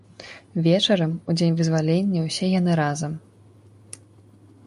Вечарам, у дзень вызвалення, усе яны разам.